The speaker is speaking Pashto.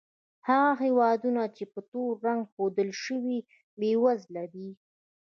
هغه هېوادونه چې په تور رنګ ښودل شوي، بېوزله دي.